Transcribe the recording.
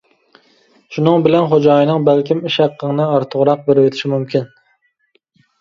شۇنىڭ بىلەن خوجايىنىڭ بەلكىم ئىش ھەققىڭنى ئارتۇقراق بېرىۋېتىشى مۇمكىن.